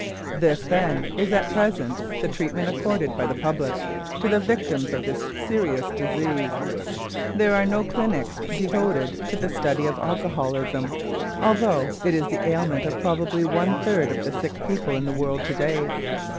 This, then, is at present the treatment accorded by the public to the victims of this serious disease. There are no clinics devoted to the study of alcoholism, although it is the ailment of probably one third of the sick people in the world to day.